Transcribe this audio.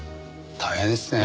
大変ですね。